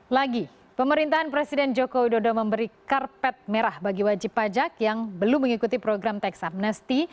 lagi pemerintahan presiden jokowi dodo memberi karpet merah bagi wajib pajak yang belum mengikuti program teksamnesti